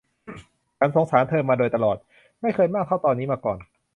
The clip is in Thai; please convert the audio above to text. ฉันสงสารเธอมาโดยตลอด ไม่เคยมากเท่าตอนนี้มาก่อน